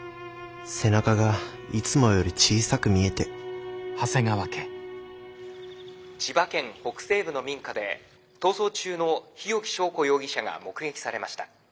背中がいつもより小さく見えて「千葉県北西部の民家で逃走中の日置昭子容疑者が目撃されました。